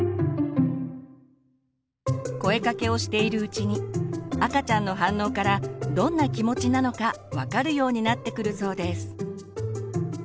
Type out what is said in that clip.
声かけをしているうちに赤ちゃんの反応からどんな気持ちなのか分かるようになってくるそうです。